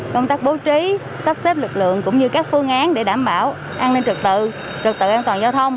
công tác bố trí sắp xếp lực lượng cũng như các phương án để đảm bảo an ninh trực tự trực tự an toàn giao thông